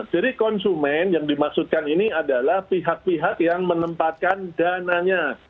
jadi konsumen yang dimaksudkan ini adalah pihak pihak yang menempatkan dananya